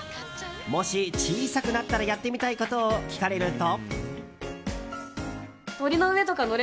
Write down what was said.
もし小さくなったらやってみたいことを聞かれると。